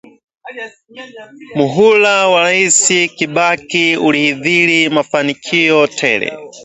Muhula wa Rais Kibaki ulikithiri mafanikio tele